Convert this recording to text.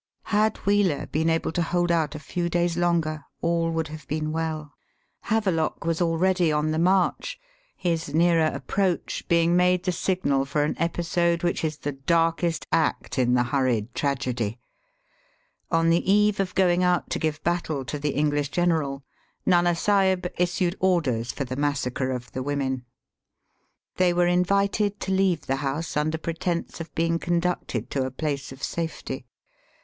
Had Wheeler been able to hold out a few days longer all would have been well. Have lock was already on the march, his nearer approach being made the signal for an episode which is the darkest act in the hurried tragedy. On the eve of going out to give battle to the EngKsh general Nana Sahib Digitized by VjOOQIC 260 EAST BY WEST. issued orders for the massacre of the women. They were invited to leave the house under pretence of being conducted to a place of safety.